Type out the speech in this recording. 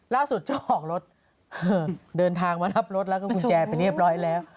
เจ้าของรถเดินทางมารับรถแล้วก็กุญแจไปเรียบร้อยแล้ว